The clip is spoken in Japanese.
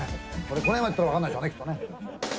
このへんまできたら分からないでしょうね、きっとね。